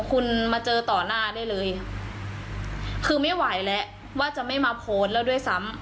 คุณมาเจอต่อหน้าได้เลยคือไม่ไหวแล้วว่าจะไม่มาโพสต์แล้วด้วยซ้ำ